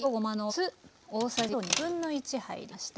酢大さじ１1/2入りました。